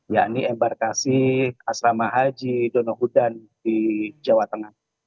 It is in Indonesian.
yakni embarkasi asrama haji donohudan di jawa tengah